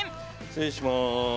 失礼します。